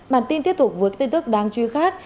bản tin tiếp tục với tin tức đáng chú ý khác